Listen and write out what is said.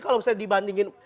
kalau misalnya dibandingin